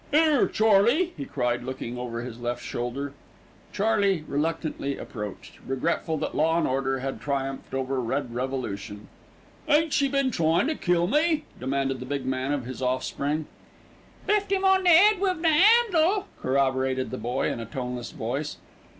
"'Ere, Charley!" he cried, looking over his left shoulder. Charley reluctantly approached, regretful that law and order had triumphed over red revolution. "Ain't she been tryin' to kill me?" demanded the big man of his offspring. "Biffed 'im on the 'ead wiv the 'andle," corroborated the boy in a toneless voice.